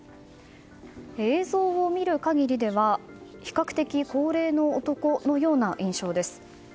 映像を見る限りでは比較的高齢の男のような印象です。